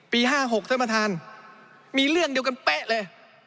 ๕๖ท่านประธานมีเรื่องเดียวกันเป๊ะเลย